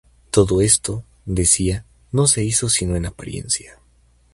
Todo esto, decía, no se hizo sino en apariencia.